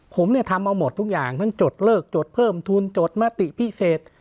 ผมเนี่ยทำเอาหมดทุกอย่างทั้งจดเลิกจดเพิ่มทุนจดมติพิเศษ